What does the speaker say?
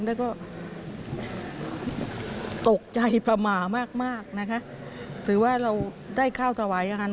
และก็ตกใจประมาห์มากมากนะคะถือว่าเราได้เข้าถวายงาน